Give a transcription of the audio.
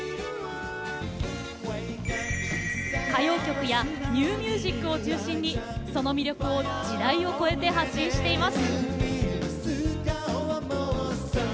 歌謡曲やニューミュージックを中心に、その魅力を時代を超えて発信しています。